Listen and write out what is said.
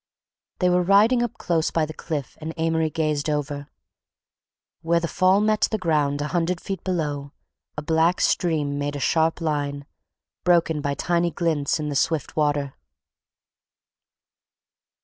They were riding up close by the cliff and Amory gazed over. Where the fall met the ground a hundred feet below, a black stream made a sharp line, broken by tiny glints in the swift water.